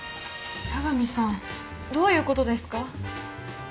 八神さんどういうことですか？